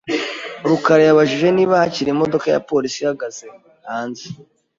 rukara yabajije niba hakiri imodoka ya polisi ihagaze hanze .